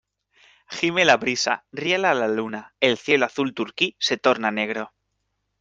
gime la brisa, riela la luna , el cielo azul turquí se torna negro